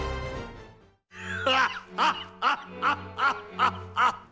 ハッハッハッハハッハッハ！